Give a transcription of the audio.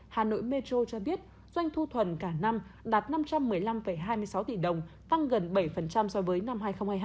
hà nội metro cho biết doanh thu thuần cả năm đạt năm trăm một mươi năm hai mươi sáu tỷ đồng tăng gần bảy so với năm hai nghìn hai mươi hai